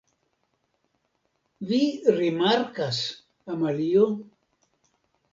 Vi rimarkas, Amalio?